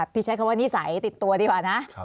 ใช้คำว่านิสัยติดตัวดีกว่านะ